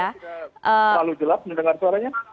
tidak terlalu gelap mendengar suaranya